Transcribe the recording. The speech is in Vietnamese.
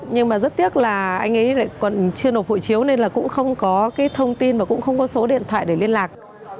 nhưng mà rất tiếc là anh ấy còn chưa nộp hộ chiếu nên là cũng không có cái thông tin và cũng không có số điện thoại để liên lạc